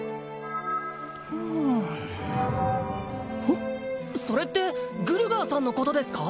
うんそれってグルガーさんのことですか？